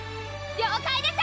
了解です！